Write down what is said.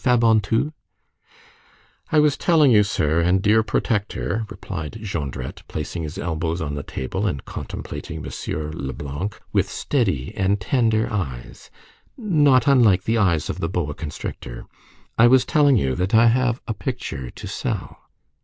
Fabantou?" "I was telling you, sir, and dear protector," replied Jondrette placing his elbows on the table and contemplating M. Leblanc with steady and tender eyes, not unlike the eyes of the boa constrictor, "I was telling you, that I have a picture to sell."